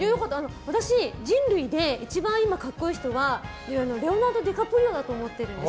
私、人類で一番格好いい人はレオナルド・ディカプリオだと思ってるんです。